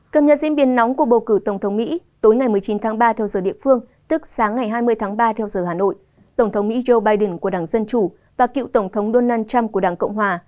cập nhật diễn biến nóng của bầu cử tổng thống mỹ tối ngày một mươi chín tháng ba theo giờ địa phương tức sáng ngày hai mươi tháng ba theo giờ hà nội tổng thống mỹ joe biden của đảng dân chủ và cựu tổng thống donald trump của đảng cộng hòa